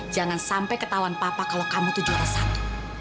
jangan sampai ketahuan papa kalau kamu itu juara satu